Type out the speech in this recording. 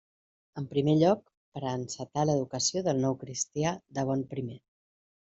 En primer lloc, per a encetar l'educació del nou cristià de bon primer.